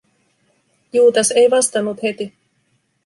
Juutas ei vastannut heti.